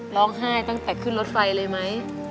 ร้องไห้ตั้งแต่ขึ้นรถไฟเลยไหม